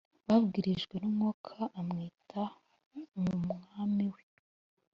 Yabwirijwe n umwuka amwita umwami we